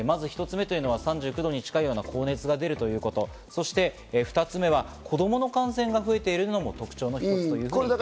１つ目は３９度に近い高熱が出ること、そして２つ目は子供の感染が増えているのも特徴ということです。